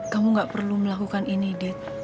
kamu gak perlu melakukan ini ded